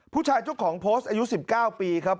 ผู้ชายเจ้าของโพสต์อายุ๑๙ปีครับ